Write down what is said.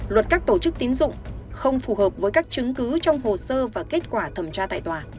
luật các tổ chức tín dụng không phù hợp với các chứng cứ trong hồ sơ và kết quả thẩm tra tại tòa